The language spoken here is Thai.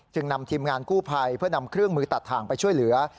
นำทีมงานกู้ภัยเพื่อนำเครื่องมือตัดทางไปช่วยเหลือ